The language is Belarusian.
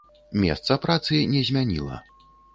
Месца працы не змяніла.